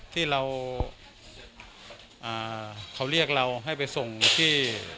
ที่เราเขาเรียกเราให้ไปส่งที่